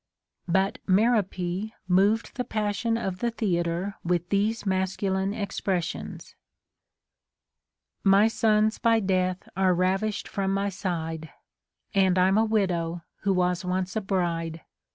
* But Merope moved the passion of the theatre with these masculine expressions :— My sons by death are ravished from my side, And I'm a widow, who was once a bi'ide.